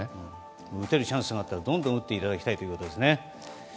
打てるチャンスがあったらどんどん打っていただきたいということですね。